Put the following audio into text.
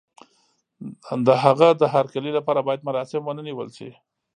د هغه د هرکلي لپاره بايد مراسم ونه نيول شي.